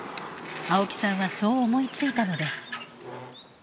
青木さんはそう思いついたのです。